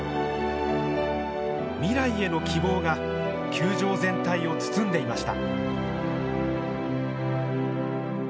未来への希望が球場全体を包んでいました。